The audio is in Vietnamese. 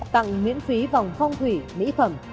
tặng miễn phí vòng phong thủy mỹ phẩm